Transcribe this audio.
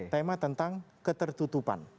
tema tentang ketertutupan